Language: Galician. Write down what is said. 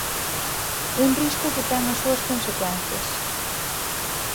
Un risco que ten as súas consecuencias.